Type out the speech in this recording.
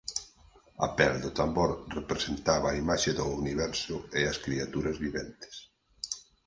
A pel do tambor representaba a imaxe do universo e as criaturas viventes.